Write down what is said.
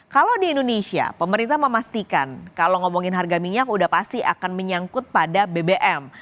kalau di indonesia pemerintah memastikan kalau ngomongin harga minyak udah pasti akan menyangkut pada bbm